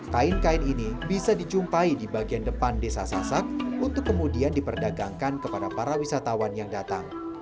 kain kain ini bisa dijumpai di bagian depan desa sasak untuk kemudian diperdagangkan kepada para wisatawan yang datang